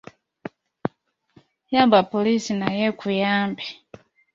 Yamba poliisi nayo ekuyambe.